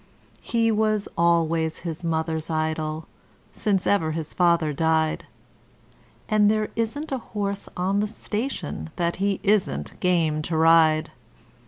'He was always his mother's idol, since ever his father died; And there isn't a horse on the station that he isn't game to ride.